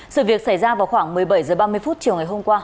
sự việc xảy ra vào khoảng một mươi bảy h ba mươi chiều ngày hôm qua